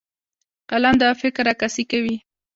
قلم د فکر عکاسي کوي